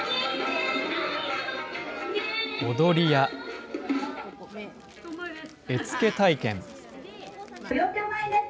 踊りや、絵付け体験。